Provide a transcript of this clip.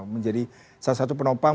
menjadi salah satu penopang